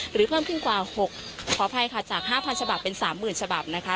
เพิ่มขึ้นกว่า๖ขออภัยค่ะจาก๕๐๐ฉบับเป็น๓๐๐๐ฉบับนะคะ